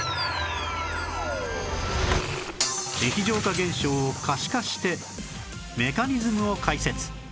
液状化現象を可視化してメカニズムを解説